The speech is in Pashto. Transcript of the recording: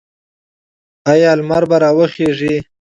آیا لمر به راوخیږي؟